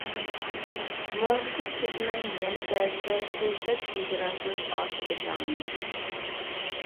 مۇڭدىشىپ كىتىمەن يەنە بەزىدە، سۆزلەپ ھىجرانسىز ئاشۇ ئۆتەڭنى.